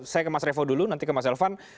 saya ke mas revo dulu nanti ke mas elvan